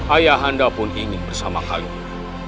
ayah anda pun ingin bersama kalinya